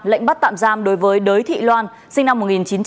lệnh bắt tạm giam đối với đới thị loan sinh năm một nghìn chín trăm tám mươi